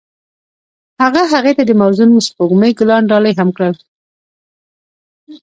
هغه هغې ته د موزون سپوږمۍ ګلان ډالۍ هم کړل.